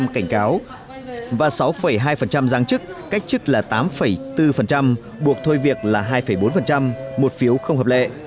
một mươi cảnh cáo và sáu hai giáng chức cách chức là tám bốn buộc thôi việc là hai bốn một phiếu không hợp lệ